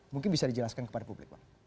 mungkin bisa dijelaskan kepada publik pak